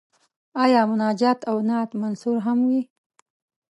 آیا مناجات او نعت منثور هم وي.